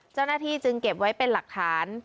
เจ้าหน้าที่จึงเก็บไว้เป็นหลักฐาน